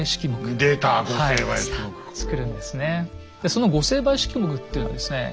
その御成敗式目っていうのはですね